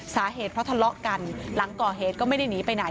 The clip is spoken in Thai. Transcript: สาเหตุเพราะทะเลาะกันหลังก่อเหตุก็ไม่ได้หนีไปไหน